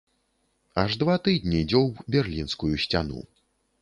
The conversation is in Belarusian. Аж два тыдні дзёўб берлінскую сцяну.